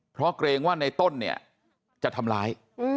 เพราะเกรงว่าในต้นเนี่ยจะทำร้าย